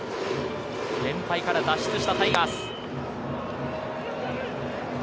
連敗から脱出したタイガース。